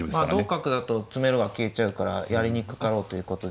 同角だと詰めろが消えちゃうからやりにくかろうということですね。